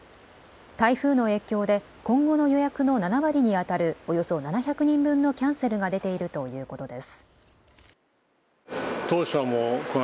台風の影響で、今後の予約の７割に当たるおよそ７００人分のキャンセルが出ているということです。